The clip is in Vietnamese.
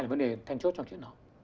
là vấn đề thanh chốt trong chuyện đó